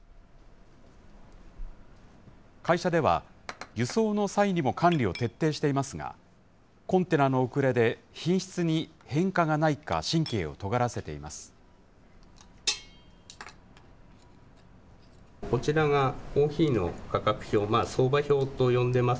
会社では、輸送の際にも管理を徹底していますが、コンテナの遅れで品質に変化がないか、神経をとがらせています。